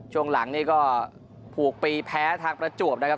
ช่วงหลังนี่ก็ผูกปีแพ้ทางประจวบนะครับ